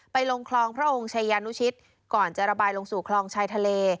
ลงคลองพระองค์ชายานุชิตก่อนจะระบายลงสู่คลองชายทะเล